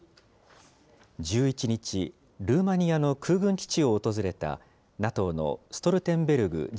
１１日、ルーマニアの空軍基地を訪れたＮＡＴＯのストルテンベルグ